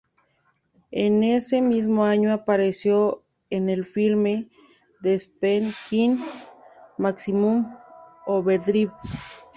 En ese mismo año, apareció en el filme de Stephen King "Maximum Overdrive".